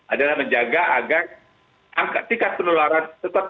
adalah menjaga agar angka tingkat penularan tetap lebih tinggi